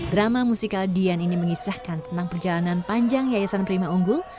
drama musikal dian ini mengisahkan tentang perjalanan panjang yayasan prima unggul